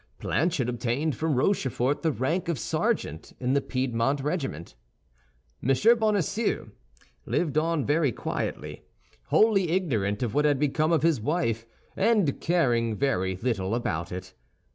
Planchet obtained from Rochefort the rank of sergeant in the Piedmont regiment. M. Bonacieux lived on very quietly, wholly ignorant of what had become of his wife, and caring very little about it.